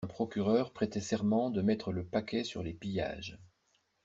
Un procureur prêtait serment de mettre le paquet sur les pillages.